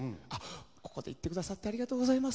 ここでいってくださってありがとうございます